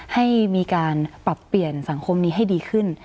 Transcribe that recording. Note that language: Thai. ให้มีการปรับเปลี่ยนสังคมนี้ให้ดีขึ้น